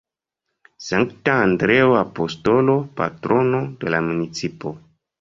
Sankta Andreo Apostolo, Patrono de la municipo.